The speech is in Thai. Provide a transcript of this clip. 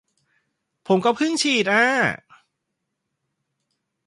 ผมก็เพิ่งฉีดอะ